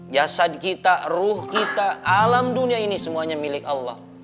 jasad kita ruh kita alam dunia ini semuanya milik allah